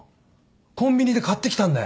コンビニで買ってきたんだよ。